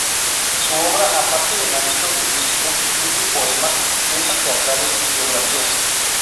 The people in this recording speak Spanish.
Su obra aparte del ámbito lingüístico incluye poemas, piezas teatrales y biografías.